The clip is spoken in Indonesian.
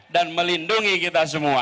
dan melindungi kita semua